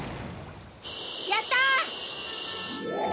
やった！